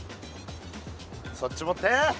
そっち持って！